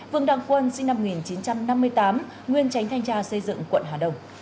vương đăng quân sinh năm một nghìn chín trăm năm mươi tám nguyên tránh thanh tra xây dựng quận hà đông